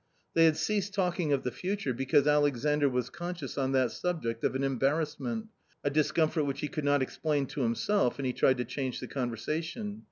They had ceased talking of the future because Alexandr was conscious on that subject of an embarrassment, a discomfort which he could not explain to himself and he tried to change the conversation.